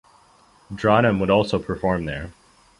Dranem would also perform there.